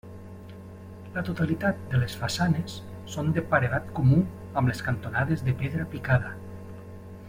La totalitat de les façanes són de paredat comú amb les cantonades de pedra picada.